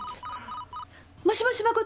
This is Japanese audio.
もしもし真琴？